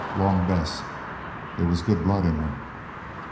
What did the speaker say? Long Bess there was good blood in her.